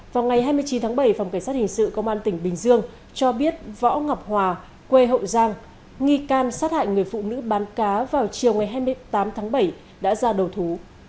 vào ngày hai mươi chín tháng bảy phòng cảnh sát hình sự công an tỉnh bình dương cho biết võ ngọc hòa quê hậu giang nghi can sát hại người phụ nữ bán cá vào chiều ngày hai mươi tám tháng bảy đã ra đầu thú